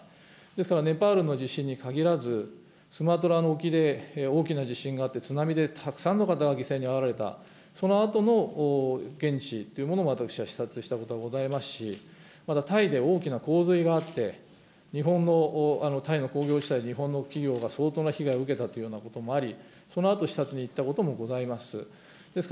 ですから、ネパールの地震に限らず、スマトラの沖で大きな地震があって、津波でたくさんの方が犠牲になられた、そのあとも、現地というものを私は視察したことがございますし、またタイで大きな洪水があって、日本のタイの工業地帯、日本の企業が相当な被害を受けたというようなこともあり、そのあと視察に行ったこともあります。